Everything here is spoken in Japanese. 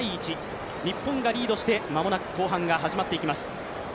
日本がリードして、まもなく後半が始まっていきます。